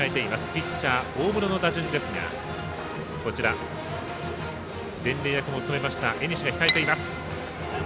ピッチャー大室の打順ですが伝令役も務めました江西が控えています。